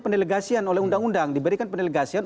peneligasian oleh undang undang diberikan peneligasian